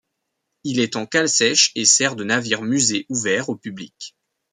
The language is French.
Il est en cale-sèche et sert de navire musée ouvert au public.